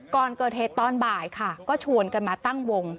ก่อนเกิดเหตุตอนบ่ายค่ะก็ชวนกันมาตั้งวง